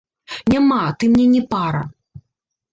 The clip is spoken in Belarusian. Няма, ты мне не пара.